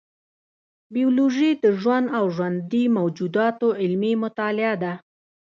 بیولوژي د ژوند او ژوندي موجوداتو علمي مطالعه ده